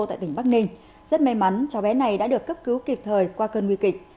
tại tỉnh bắc ninh rất may mắn cháu bé này đã được cấp cứu kịp thời qua cơn nguy kịch